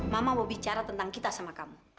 mama mau bicara tentang kita sama kamu